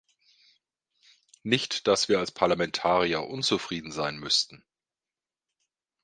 Nicht, dass wir als Parlamentarier unzufrieden sein müssten.